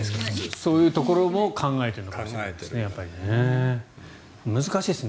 そういうところも考えてるのかもしれないですね。